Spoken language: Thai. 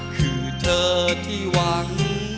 คือเธอที่หวัง